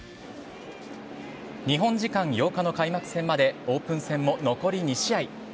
日本時間８日の開幕戦までオープン戦も残り２試合。